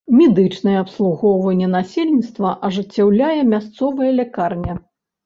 Медычнае абслугоўванне насельніцтва ажыццяўляе мясцовая лякарня.